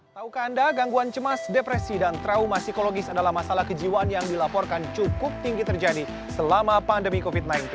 taukah anda gangguan cemas depresi dan trauma psikologis adalah masalah kejiwaan yang dilaporkan cukup tinggi terjadi selama pandemi covid sembilan belas